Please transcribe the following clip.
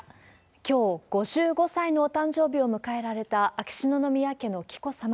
きょう、５５歳のお誕生日を迎えられた秋篠宮家の紀子さま。